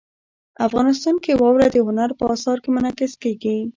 افغانستان کې واوره د هنر په اثار کې منعکس کېږي.